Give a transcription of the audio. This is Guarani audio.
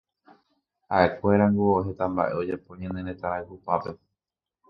Ha'ekuérango heta mba'e ojapo ñane retã rayhupápe.